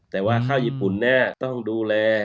แต่ว่าข้าวญี่ปุ่นแน่ต้องดูแล